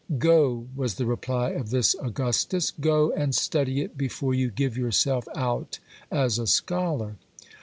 "Go," was the reply of this Augustus, "go, and study it before you give yourself out as a scholar."